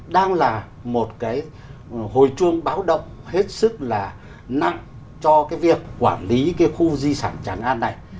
đang là một cái hồi chuông báo động hết sức là nặng cho cái việc quản lý cái khu di sản tràng an này